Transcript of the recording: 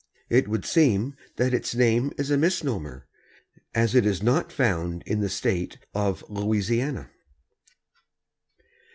It would seem that its name is a misnomer, as it is not found in the State of Louisiana.